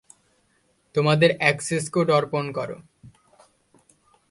তোমাদের access code অর্পণ করো।